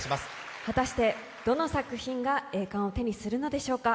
果たしてどの作品が栄冠を手にするのでしょうか。